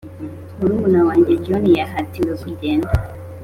murumuna wanjye john yahatiwe kugenda,